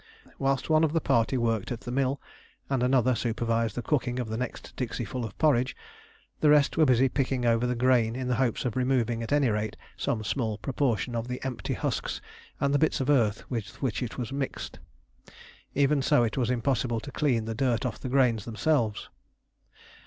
Whilst one of the party worked at the mill, and another supervised the cooking of the next dixieful of porridge, the rest were busy picking over the grain in the hopes of removing at any rate some small proportion of the empty husks and the bits of earth with which it was mixed. Even so it was impossible to clean the dirt off the grains themselves.